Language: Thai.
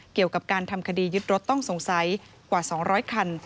เกี่ยวกับการทำคดียึดรถต้องสงสัยกว่า๒๐๐คัน